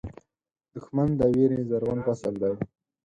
دښمن د وېرې زرغون فصل دی